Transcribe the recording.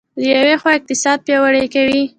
له یوې خوا اقتصاد پیاوړی کوي.